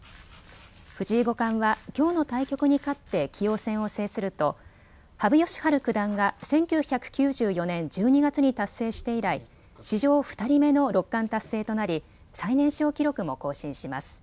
藤井五冠はきょうの対局に勝って棋王戦を制すると羽生善治九段が１９９４年１２月に達成して以来、史上２人目の六冠達成となり最年少記録も更新します。